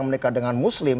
menikah dengan muslim